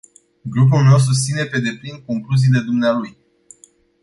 Grupul meu susține pe deplin concluziile dumnealui.